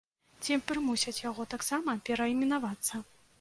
Ці прымусяць яго таксама перайменавацца?